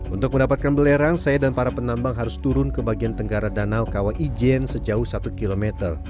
untuk mendapatkan belerang saya dan para penambang harus turun ke bagian tenggara danau kawaijen sejauh satu km